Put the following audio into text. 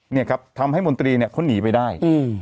เนี่ยครับทำให้มนตรีเนี่ยเขาหนีไปได้